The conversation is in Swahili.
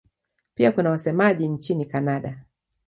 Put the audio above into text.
Pia kuna wasemaji nchini Kanada.